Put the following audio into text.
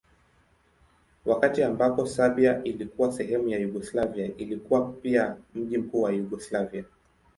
Wakati ambako Serbia ilikuwa sehemu ya Yugoslavia ilikuwa pia mji mkuu wa Yugoslavia.